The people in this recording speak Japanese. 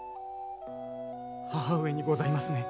母上にございますね？